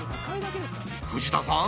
藤田さん